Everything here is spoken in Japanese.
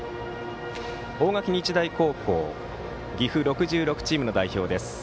大垣日大高校は岐阜６６チームの代表です。